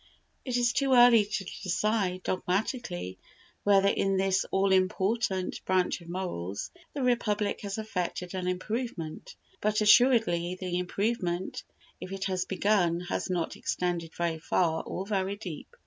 It is too early to decide dogmatically whether in this all important branch of morals the Republic has effected an improvement; but assuredly the improvement, if it has begun, has not extended very far or very deep.